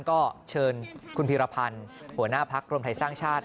ก็เชิญคุณพีรพันธ์หัวหน้าพักรวมไทยสร้างชาติ